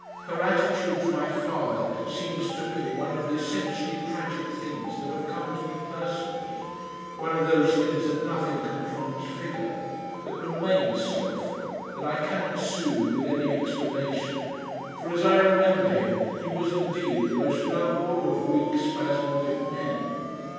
Her attitude to my father seems to me one of the essentially tragic things that have come to me personally, one of those things that nothing can transfigure, that REMAIN sorrowful, that I cannot soothe with any explanation, for as I remember him he was indeed the most lovable of weak spasmodic men.